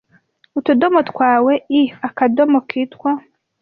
Utudomo twawe i - akadomo kitwa